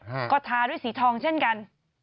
ฮะก็ทาด้วยสีทองเช่นกัน